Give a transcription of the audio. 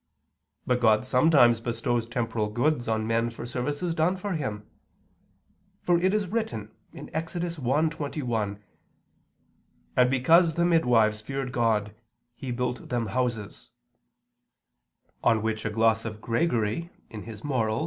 But God sometimes bestows temporal goods on men for services done for Him. For it is written (Ex. 1:21): "And because the midwives feared God, He built them houses"; on which a gloss of Gregory (Moral.